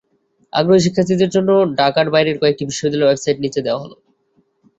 আগ্রহী শিক্ষার্থীদের জন্য ঢাকার বাইরের কয়েকটি বিশ্ববিদ্যালয়ের ওয়েবসাইট নিচে দেওয়া হলো।